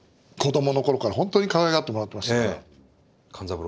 子どもの頃から本当にかわいがってもらってましたから。